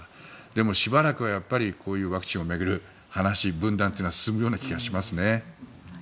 でもしばらくはこういうワクチンを巡る話分断は進むような気がしますね。